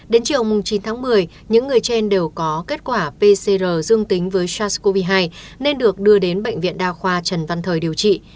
đến chiều chín tháng một mươi những người trên đều có kết quả pcr dương tính với sars cov hai nên được đưa đến bệnh viện đa khoa trần văn thời điều trị